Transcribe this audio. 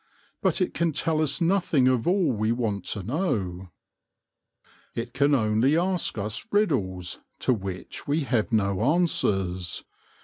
But it can tell us nothing of all we want to know. It can only ask us riddles to which we have no answers.